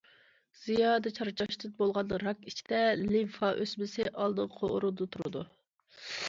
زىيادە چارچاشتىن بولغان راك ئىچىدە لىمفا ئۆسمىسى ئالدىنقى ئورۇندا تۇرىدۇ.